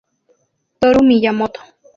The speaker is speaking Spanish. Toru Miyamoto